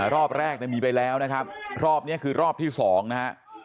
รอบแรกมีไปแล้วนะครับรอบนี้คือรอบที่๒นะฮะ